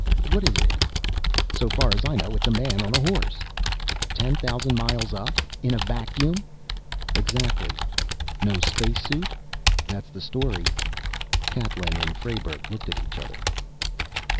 What is it?" "So far as I know it's a man on a horse." "Ten thousand miles up? In a vacuum?" "Exactly." "No space suit?" "That's the story." Catlin and Frayberg looked at each other.